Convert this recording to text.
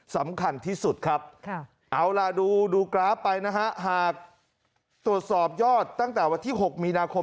สำคัญที่สุดครับเอาล่ะดูกราฟไปนะฮะหากตรวจสอบยอดตั้งแต่วันที่๖มีนาคม